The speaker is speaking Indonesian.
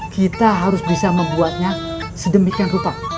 kita harus bisa membuatnya sedemikian rupa